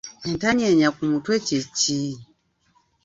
Entanyenya ku muntu kye ki?